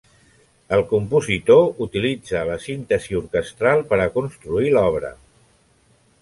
El compositor utilitza la síntesi orquestral per a construir l'obra.